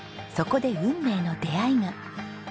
そこで運命の出会いが。